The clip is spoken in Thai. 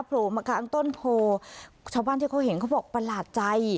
โผล่มากลางต้นโพชาวบ้านที่เขาเห็นเขาบอกประหลาดใจ